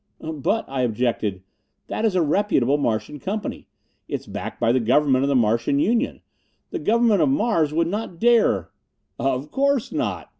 "But," I objected, "that is a reputable Martian company. It's backed by the government of the Martian Union. The government of Mars would not dare " "Of course not!"